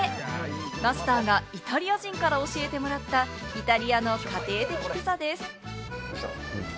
マスターがイタリア人から教えてもらったイタリアの家庭的ピザです。